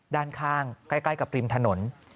ด้านข้างใกล้กับริมถนน